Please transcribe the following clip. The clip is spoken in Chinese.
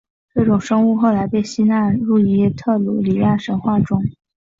这种生物后来被吸纳入伊特鲁里亚神话中。